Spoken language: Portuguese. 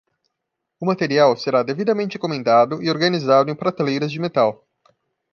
O material será devidamente encomendado e organizado em prateleiras de metal.